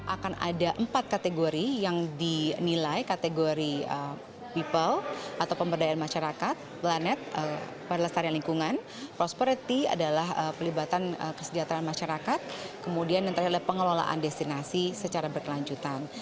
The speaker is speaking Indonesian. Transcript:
akan ada empat kategori yang dinilai kategori people atau pemberdayaan masyarakat planet pelestarian lingkungan prosperity adalah pelibatan kesejahteraan masyarakat kemudian yang terakhir adalah pengelolaan destinasi secara berkelanjutan